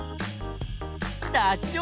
ダチョウ。